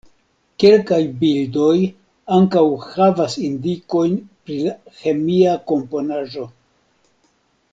Kelkaj bildoj ankaŭ havas indikojn pri la ĥemia komponaĵo.